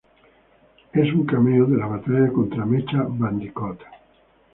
Es un cameo en la batalla contra Mecha-Bandicoot.